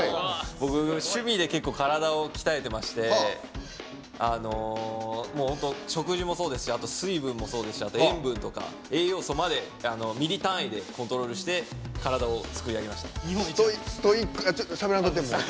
僕、趣味で結構体を鍛えてまして食事もそうですし水分もそうですし塩分とか栄養素までミリ単位でコントロールして体をつくり上げました。